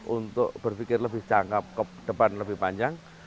untuk berpikir lebih cangkep ke depan lebih panjang